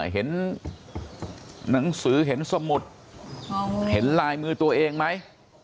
เห็นหนังสือเห็นสมุดเห็นลายมือตัวเองไหม